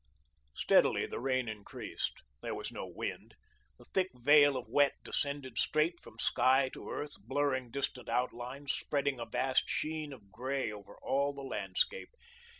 Steadily the rain increased. There was no wind. The thick veil of wet descended straight from sky to earth, blurring distant outlines, spreading a vast sheen of grey over all the landscape.